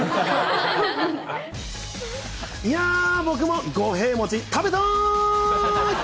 いやぁ、僕も五平餅、食べたーい！